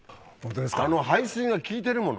あの排水が効いてるもの。